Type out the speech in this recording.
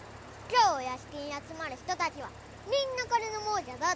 今日お屋敷に集まる人たちはみんな金の亡者だって。